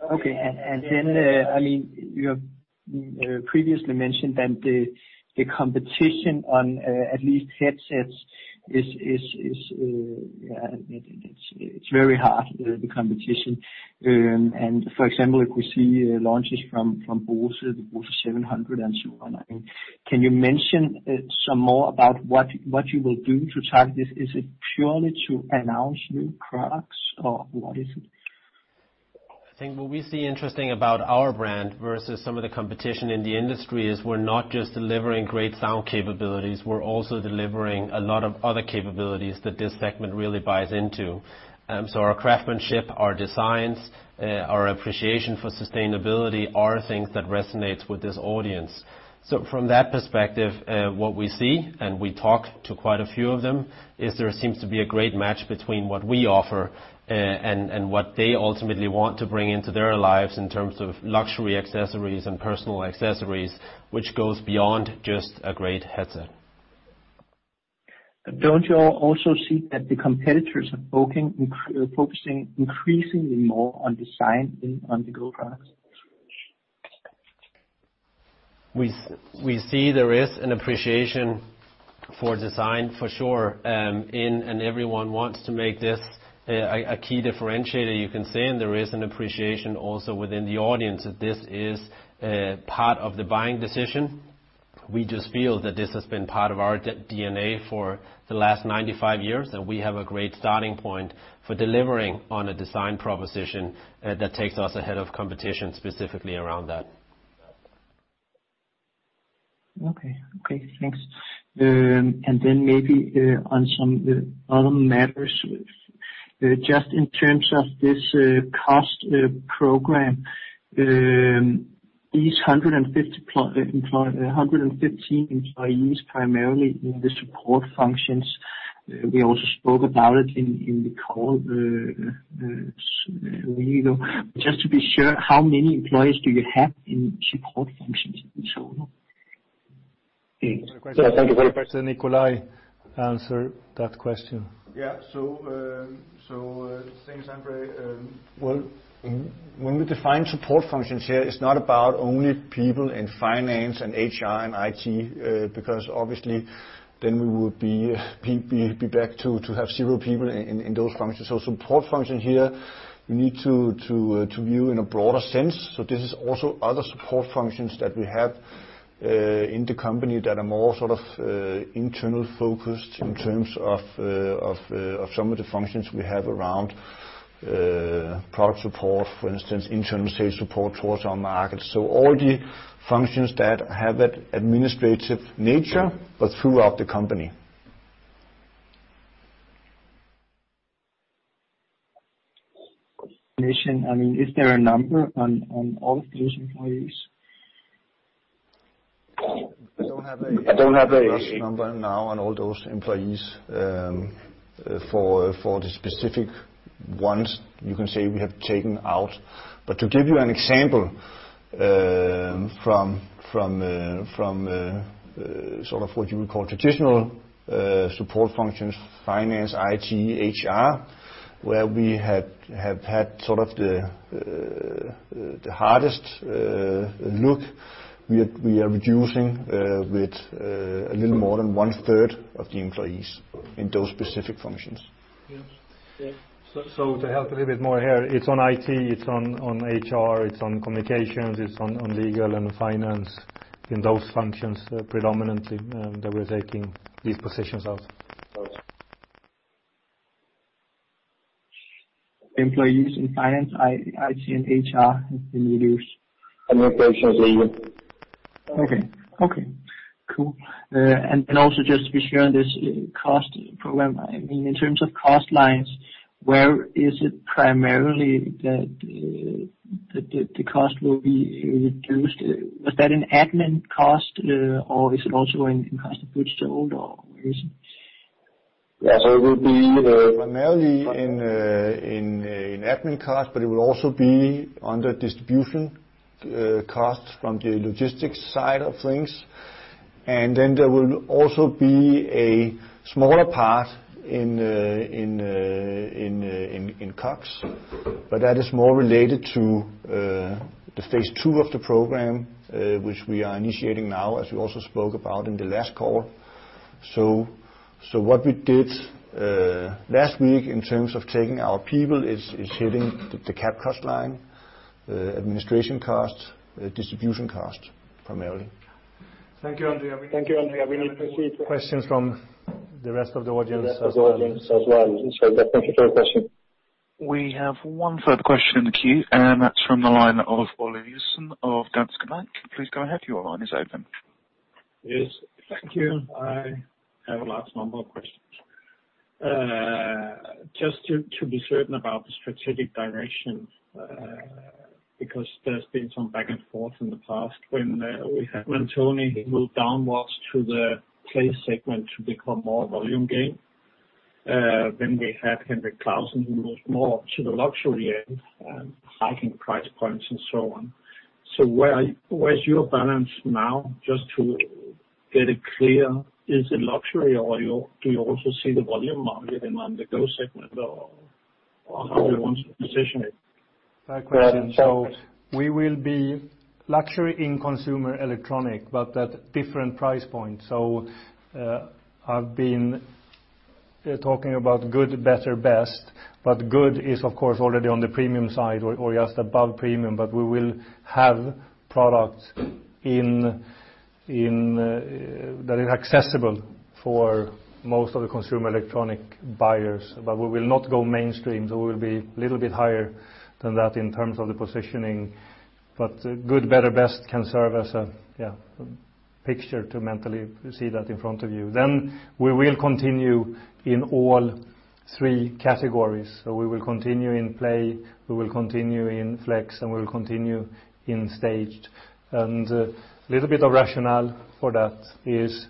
Okay. And then, I mean, you have previously mentioned that the competition on, at least headsets, is very hard, the competition. And for example, if we see launches from Bose, the Bose 700 and so on, I mean, can you mention some more about what you will do to target this? Is it purely to announce new products, or what is it? I think what we see interesting about our brand versus some of the competition in the industry is we're not just delivering great sound capabilities. We're also delivering a lot of other capabilities that this segment really buys into. So our craftsmanship, our designs, our appreciation for sustainability are things that resonate with this audience. So from that perspective, what we see, and we talk to quite a few of them, is there seems to be a great match between what we offer, and, and what they ultimately want to bring into their lives in terms of luxury accessories and personal accessories, which goes beyond just a great headset. Don't you all also see that the competitors are focusing increasingly more on design in On-the-Go products? We see there is an appreciation for design, for sure, and everyone wants to make this a key differentiator, you can say. There is an appreciation also within the audience that this is part of the buying decision. We just feel that this has been part of our DNA for the last 95 years, and we have a great starting point for delivering on a design proposition that takes us ahead of competition specifically around that. Okay. Okay. Thanks. And then maybe on some other matters, just in terms of this cost program, these 150 full-time employees, 115 employees primarily in the support functions. We also spoke about it in the call a week ago. Just to be sure, how many employees do you have in support functions in total? Thank you for the question. Thank you for the question. Nikolaj, answer that question. Yeah. So, thanks, André. Well, when we define support functions here, it's not about only people in finance and HR and IT, because obviously, then we would be back to have zero people in those functions. So support function here, we need to view in a broader sense. So this is also other support functions that we have in the company that are more sort of internal focused in terms of some of the functions we have around product support, for instance, internal sales support towards our markets. So all the functions that have an administrative nature but throughout the company. Position, I mean, is there a number on, on all of the Gen Z employees? I don't have a number now on all those employees, for the specific ones, you can say, we have taken out. But to give you an example, from sort of what you would call traditional support functions, finance, IT, HR, where we have had sort of the hardest look, we are reducing with a little more than one-third of the employees in those specific functions. Yes. Yeah. So to help a little bit more here, it's on IT, it's on HR, it's on communications, it's on legal and finance in those functions, predominantly, that we're taking these positions out. Got it. Employees in finance, IT, and HR have been reduced. Operations legal. Okay. Okay. Cool. And then also just to be sure on this cost program, I mean, in terms of cost lines, where is it primarily that the cost will be reduced? Was that an admin cost, or is it also a cost of goods sold, or where is it? Yeah. So it will be primarily in admin cost, but it will also be under distribution costs from the logistics side of things. And then there will also be a smaller part in COGS. But that is more related to the phase two of the program, which we are initiating now, as we also spoke about in the last call. So what we did last week in terms of taking our people is hitting the CAPEX line, administration costs, distribution costs primarily. Thank you, André. We need to. Thank you, André. We need to proceed to. Questions from the rest of the audience as well? Rest of the audience as well. Sorry. Thank you for the question. We have one further question in the queue, and that's from the line of Poul Jessen of Danske Bank. Please go ahead. Your line is open. Yes. Thank you. I have a large number of questions. Just to be certain about the strategic direction, because there's been some back and forth in the past when we had Tue Mantoni move downwards to the Play segment to become more volume gain. Then we had Henrik Clausen who moved more up to the luxury end, hiking price points and so on. So where's your balance now? Just to get it clear, is it luxury, or do you also see the volume market in on-the-go segment, or how do you want to position it? Fair question. So we will be luxury in consumer electronics, but at different price points. So, I've been talking about good, better, best. But good is, of course, already on the premium side or just above premium. But we will have products in that are accessible for most of the consumer electronics buyers. But we will not go mainstream, so we will be a little bit higher than that in terms of the positioning. But good, better, best can serve as a, yeah, picture to mentally see that in front of you. Then we will continue in all three categories. So we will continue in play. We will continue in Flex, and we will continue in staged. And a little bit of rationale for that is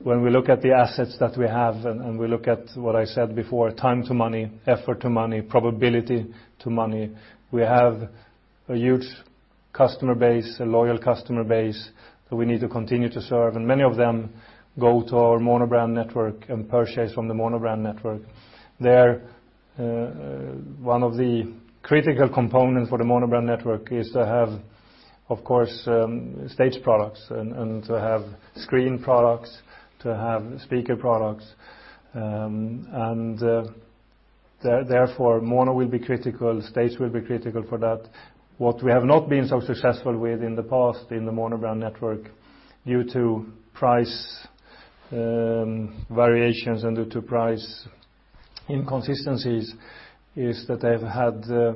when we look at the assets that we have, and we look at what I said before, time to money, effort to money, probability to money, we have a huge customer base, a loyal customer base that we need to continue to serve. And many of them go to our monobrand network and purchase from the monobrand network. There, one of the critical components for the monobrand network is to have, of course, Staged products and to have screen products, to have speaker products. And therefore, Mono will be critical. Staged will be critical for that. What we have not been so successful with in the past in the monobrand network due to price variations and due to price inconsistencies is that they have had a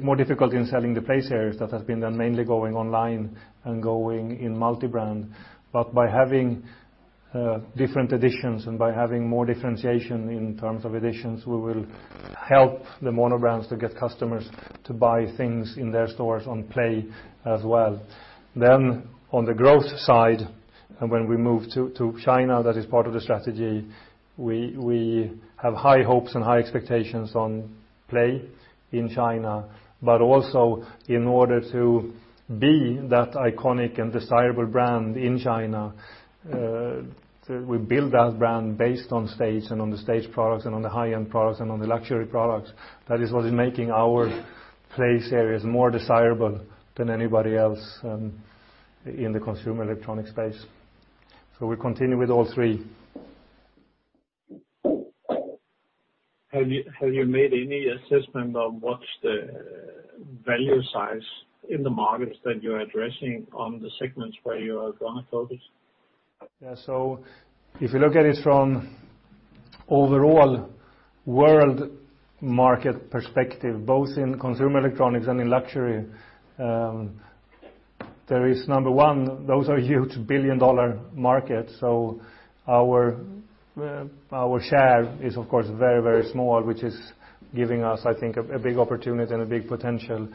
more difficulty in selling the Play areas that have been then mainly going online and going in multibrand. But by having different editions and by having more differentiation in terms of editions, we will help the monobrands to get customers to buy things in their stores on Play as well. Then on the growth side, and when we move to China, that is part of the strategy, we have high hopes and high expectations on Play in China. But also in order to be that iconic and desirable brand in China, we build that brand based on Stage and on the Stage products and on the high-end products and on the luxury products. That is what is making our play areas more desirable than anybody else, in the consumer electronics space. So we continue with all three. Have you made any assessment on what's the value size in the markets that you're addressing on the segments where you are gonna focus? Yeah. So if you look at it from overall world market perspective, both in consumer electronics and in luxury, there is number one, those are huge billion-dollar markets. So our share is, of course, very, very small, which is giving us, I think, a big opportunity and a big potential.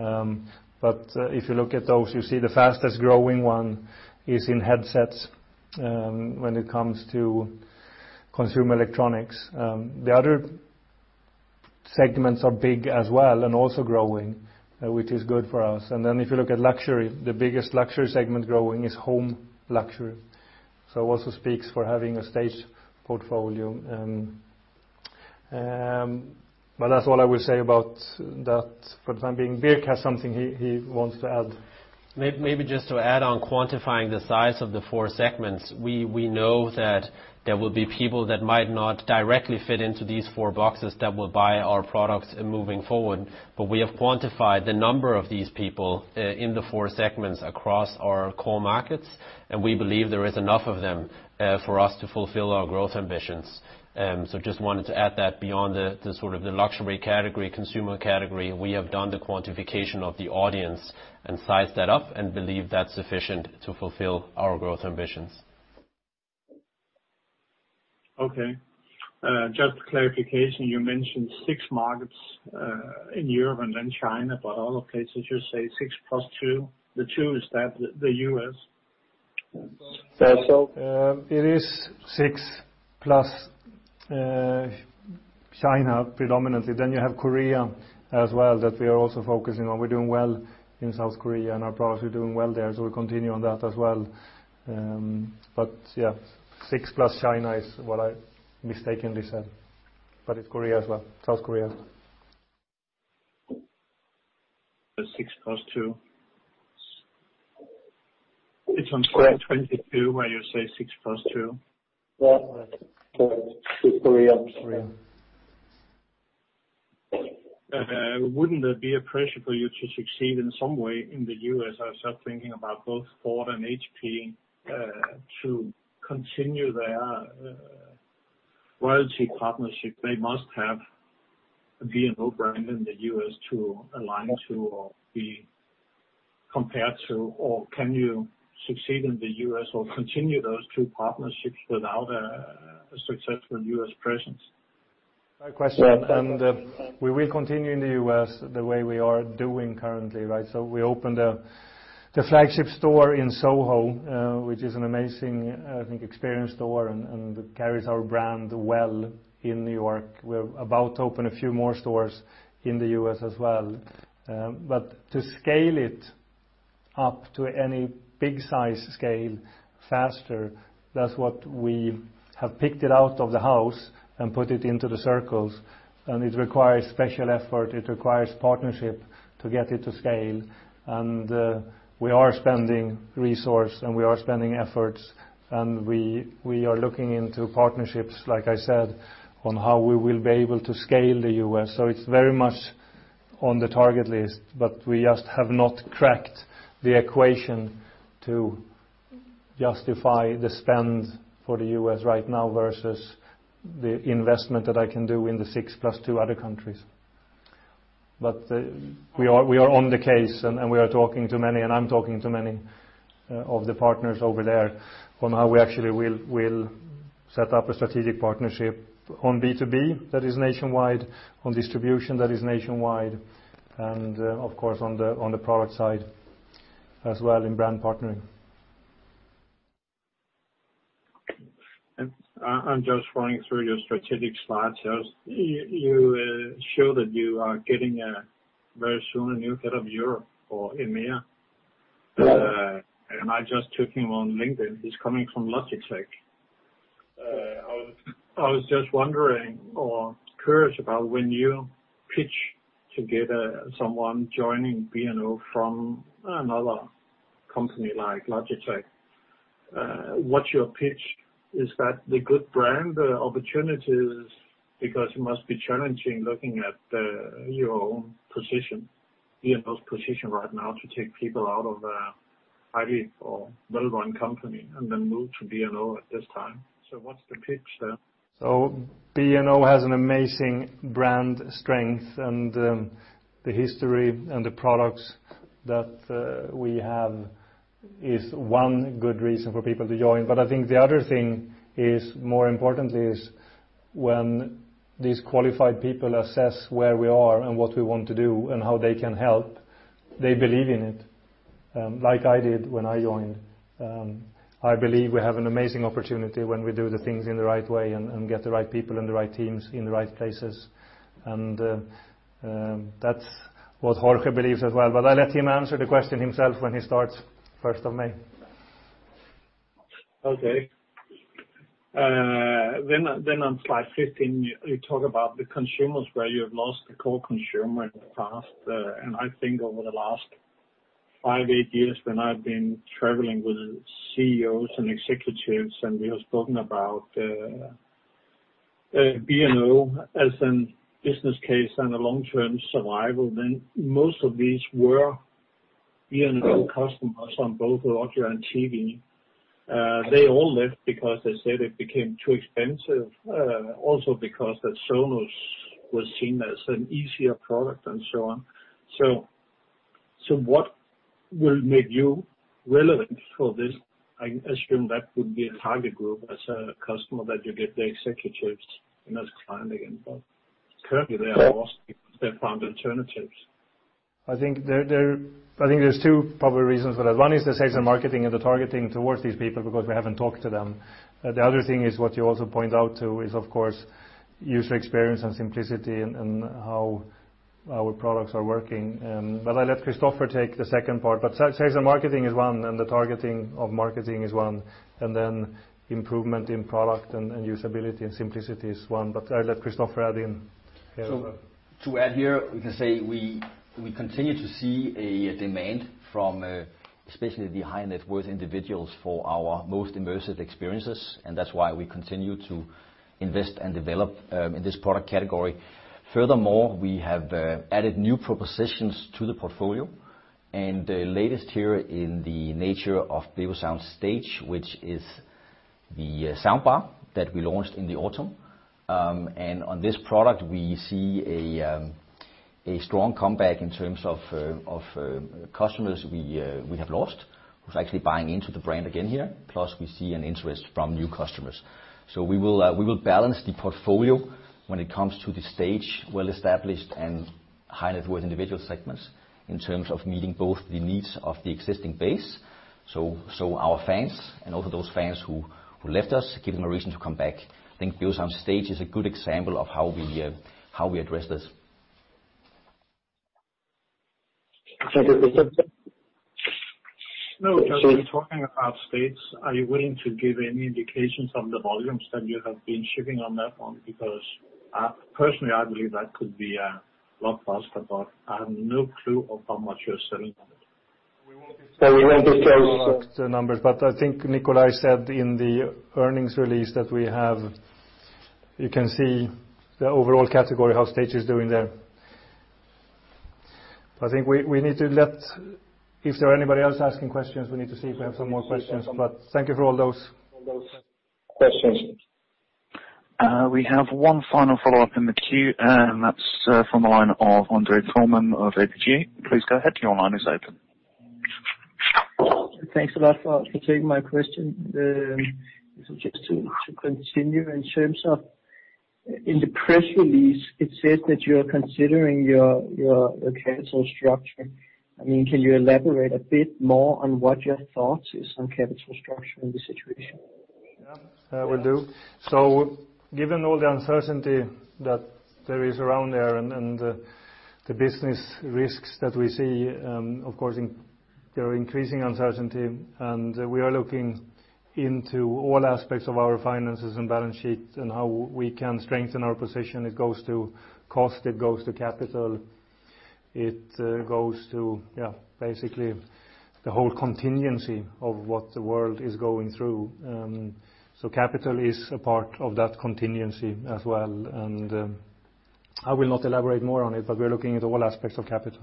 If you look at those, you see the fastest growing one is in headsets, when it comes to consumer electronics. The other segments are big as well and also growing, which is good for us. Then if you look at luxury, the biggest luxury segment growing is home luxury, so also speaks for having a stage portfolio. That's all I will say about that for the time being. Birk has something he wants to add. Maybe just to add on quantifying the size of the four segments, we know that there will be people that might not directly fit into these four boxes that will buy our products moving forward. But we have quantified the number of these people in the four segments across our core markets, and we believe there is enough of them for us to fulfill our growth ambitions. So just wanted to add that beyond the sort of the luxury category, consumer category, we have done the quantification of the audience and sized that up and believe that's sufficient to fulfill our growth ambitions. Okay. Just clarification, you mentioned six markets in Europe and then China, but other places, you say six plus two. The two is that, the U.S.? So, it is six plus, China predominantly. Then you have Korea as well that we are also focusing on. We're doing well in South Korea, and our products are doing well there, so we continue on that as well. But yeah, six plus China is what I mistakenly said. But it's Korea as well, South Korea. So six plus two. It's on slide 22 where you say six plus two. Yeah. Correct. It's Korea. Korea. Wouldn't there be a pressure for you to succeed in some way in the U.S.? I was just thinking about both Ford and HP, to continue their royalty partnership. They must have a B&O brand in the U.S. to align to or be compared to, or can you succeed in the U.S. or continue those two partnerships without a successful U.S. presence? Fair question. We will continue in the US the way we are doing currently, right? So we opened a flagship store in SoHo, which is an amazing, I think, experience store and carries our brand well in New York. We're about to open a few more stores in the U.S. as well. But to scale it up to any big-size scale faster, that's what we have picked it out of the house and put it into the circles. It requires special effort. It requires partnership to get it to scale. We are spending resource, and we are spending efforts. We are looking into partnerships, like I said, on how we will be able to scale the U.S. So it's very much on the target list, but we just have not cracked the equation to justify the spend for the U.S. right now versus the investment that I can do in the six plus two other countries. But we are on the case, and we are talking to many, and I'm talking to many, of the partners over there on how we actually will set up a strategic partnership on B2B that is nationwide, on distribution that is nationwide, and, of course, on the product side as well in brand partnering. I'm just following through your strategic slides. So you show that you are getting very soon a new head of Europe or EMEA. And I just took him on LinkedIn. He's coming from Logitech. I was just wondering or curious about when you pitch to get someone joining B&O from another company like Logitech. What's your pitch? Is that the good brand, the opportunities? Because it must be challenging looking at your own position, B&O's position right now to take people out of a highly or well-run company and then move to B&O at this time. So what's the pitch there? So B&O has an amazing brand strength, and the history and the products that we have is one good reason for people to join. But I think the other thing is, more importantly, is when these qualified people assess where we are and what we want to do and how they can help, they believe in it, like I did when I joined. I believe we have an amazing opportunity when we do the things in the right way and get the right people and the right teams in the right places. And that's what Jorge believes as well. But I'll let him answer the question himself when he starts 1st of May. Okay. Then on slide 15, you talk about the consumers where you have lost the core consumer in the past. And I think over the last 5-8 years, when I've been traveling with CEOs and executives, and we have spoken about B&O as a business case and a long-term survival, then most of these were B&O customers on both audio and TV. They all left because they said it became too expensive, also because that Sonos was seen as an easier product and so on. So what will make you relevant for this? I assume that would be a target group as a customer that you get the executives and as a client again. But currently, they are lost because they've found alternatives. I think there I think there's two probably reasons for that. One is the sales and marketing and the targeting towards these people because we haven't talked to them. The other thing is what you also point out to is, of course, user experience and simplicity and how our products are working. But I'll let Christoffer take the second part. Sales and marketing is one, and the targeting of marketing is one. And then improvement in product and usability and simplicity is one. But I'll let Christoffer add in here. So to add here, we can say we continue to see a demand from especially the high-net-worth individuals for our most immersive experiences. And that's why we continue to invest and develop in this product category. Furthermore, we have added new propositions to the portfolio. And the latest here in the nature of Beosound Stage, which is the soundbar that we launched in the autumn. And on this product, we see a strong comeback in terms of customers we have lost who's actually buying into the brand again here, plus we see an interest from new customers. So we will balance the portfolio when it comes to the Staged, well-established and high-net-worth individual segments in terms of meeting both the needs of the existing base. So, our fans and also those fans who left us, give them a reason to come back. I think Beosound Stage is a good example of how we address this. Thank you, Christoffer. No, just talking about Stage, are you willing to give any indications on the volumes that you have been shipping on that one? Because, personally, I believe that could be a lot faster, but I have no clue of how much you're selling on it. We won't disclose. So we won't disclose the numbers. But I think Nikolaj said in the Earnings Release that we have you can see the overall category, how Staged is doing there. But I think we, we need to let if there are anybody else asking questions, we need to see if we have some more questions. But thank you for all those. All those questions. We have one final follow-up in the queue, and that's from the line of André Thormann of ABG. Please go ahead. Your line is open. Thanks a lot for taking my question. Just to continue in terms of in the press release, it says that you are considering your capital structure. I mean, can you elaborate a bit more on what your thoughts is on capital structure in this situation? Yeah. I will do. So given all the uncertainty that there is around there and the business risks that we see, of course, in there are increasing uncertainty. And we are looking into all aspects of our finances and balance sheet and how we can strengthen our position. It goes to cost. It goes to capital. It goes to, yeah, basically the whole contingency of what the world is going through. So capital is a part of that contingency as well. I will not elaborate more on it, but we're looking at all aspects of capital.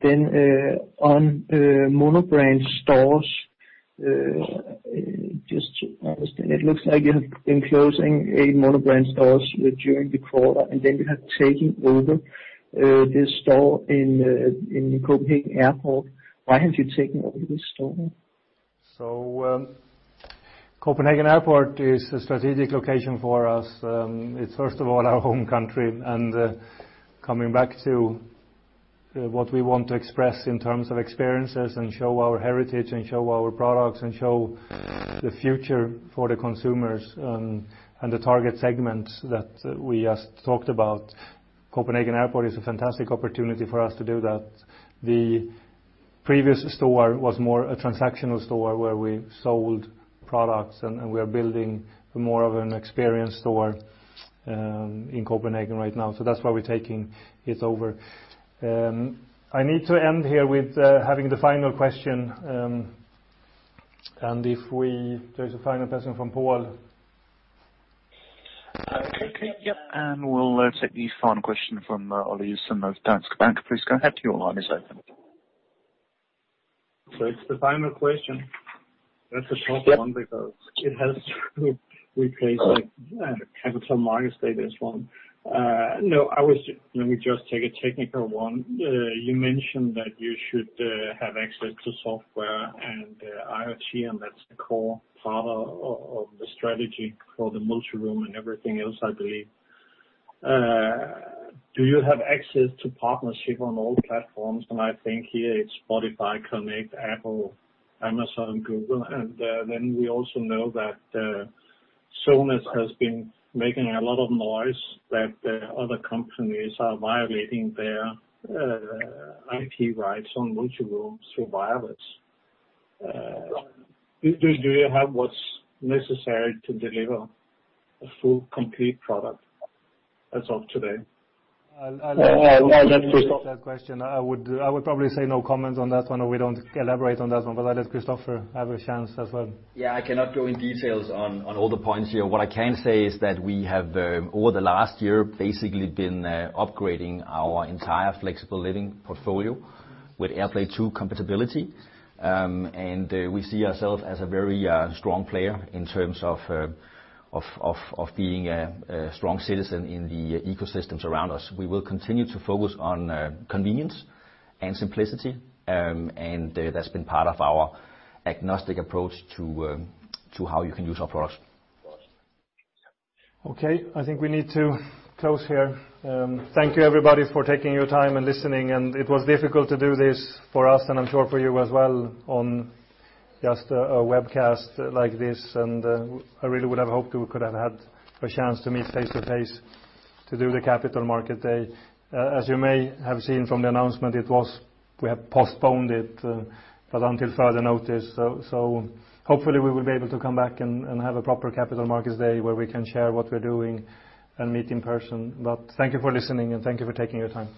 Then, on monobrand stores, just to understand, it looks like you have been closing eight monobrand stores during the quarter, and then you have taken over this store in Copenhagen Airport. Why have you taken over this store? So, Copenhagen Airport is a strategic location for us. It's, first of all, our home country. And, coming back to what we want to express in terms of experiences and show our heritage and show our products and show the future for the consumers, and the target segments that we just talked about, Copenhagen Airport is a fantastic opportunity for us to do that. The previous store was more a transactional store where we sold products, and we are building more of an experience store in Copenhagen right now. So that's why we're taking it over. I need to end here with having the final question, and if there's a final question from Poul. And we'll take the final question from Poul Jessen of Danske Bank. Please go ahead. Your line is open. So it's the final question. That's a tough one because it has to replace, like, Capital Markets Day as well. No, let me just take a technical one. You mentioned that you should have access to software and IoT, and that's a core part of the strategy for the multiroom and everything else, I believe. Do you have access to partnership on all platforms? And I think here it's Spotify Connect, Apple, Amazon, Google. And then we also know that Sonos has been making a lot of noise that other companies are violating their IP rights on multirooms through wireless. Do you have what's necessary to deliver a full, complete product as of today? I'll let Christoffer. Yeah, yeah, yeah. Let's Christoffer take that question. I would, I would probably say no comments on that one or we don't elaborate on that one. But I'll let Christoffer have a chance as well. Yeah. I cannot go into details on all the points here. What I can say is that we have, over the last year, basically been upgrading our entire Flexible Living portfolio with AirPlay 2 compatibility. We see ourselves as a very strong player in terms of being a strong citizen in the ecosystems around us. We will continue to focus on convenience and simplicity. That's been part of our agnostic approach to how you can use our products. Okay. I think we need to close here. Thank you, everybody, for taking your time and listening. It was difficult to do this for us, and I'm sure for you as well, on just a, a webcast like this. I really would have hoped we could have had a chance to meet face to face to do the Capital Markets Day. As you may have seen from the announcement, it was we have postponed it, but until further notice. So, so hopefully, we will be able to come back and, and have a proper Capital Markets Day where we can share what we're doing and meet in person. But thank you for listening, and thank you for taking your time.